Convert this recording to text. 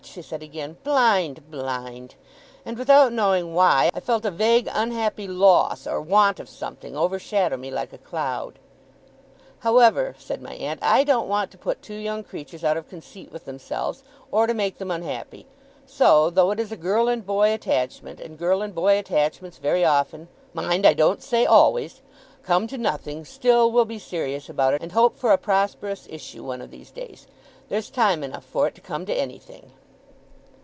she said again; 'blind, blind!' and without knowing why, I felt a vague unhappy loss or want of something overshadow me like a cloud. 'However,' said my aunt, 'I don't want to put two young creatures out of conceit with themselves, or to make them unhappy; so, though it is a girl and boy attachment, and girl and boy attachments very often mind! I don't say always! come to nothing, still we'll be serious about it, and hope for a prosperous issue one of these days. There's time enough for it to come to anything!